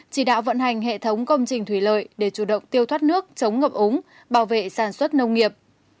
chỉ đạo vận hành hệ thống công trình thủy lợi để chủ động tiêu thoát nước chống ngập ống bảo vệ sản xuất nông nghiệp